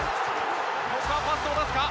ここはパスを出すか？